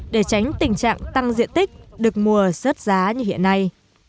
để tránh tình trạng tăng diện tích được mùa rớt giá như hiện nay